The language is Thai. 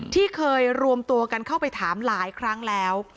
ที่เคยรวมตัวกันเข้าไปถามหลายครั้งแล้ว